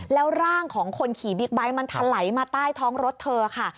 แล้วร่างของคนขี่บิ๊กไบท์มันถลายมาใต้ท้องรถเธอค่ะ